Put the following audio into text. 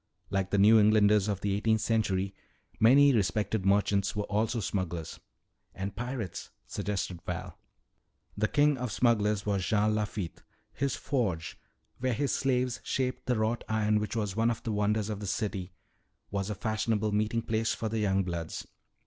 Like the New Englanders of the eighteenth century, many respected merchants were also smugglers." "And pirates," suggested Val. "The king of smugglers was Jean Lafitte. His forge where his slaves shaped the wrought iron which was one of the wonders of the city was a fashionable meeting place for the young bloods.